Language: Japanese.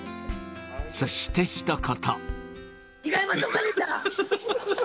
そしてひと言。